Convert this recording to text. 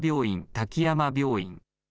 滝山病院。